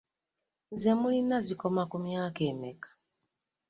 Ze mulina zikoma ku myaka emeka?